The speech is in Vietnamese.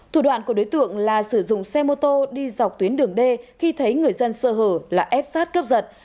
thủ đoạn của đối tượng là sử dụng xe mô tô đi dọc tuyến đường d khi thấy người dân sơ hở là ép sát cướp giật